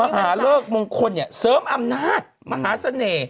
มหาเลิกมงคลเนี่ยเสริมอำนาจมหาเสน่ห์